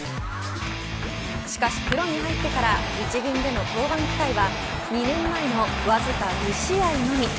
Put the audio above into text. しかし、プロに入ってからは１軍での登板機会は２年前のわずか２試合のみ。